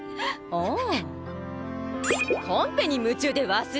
ああ。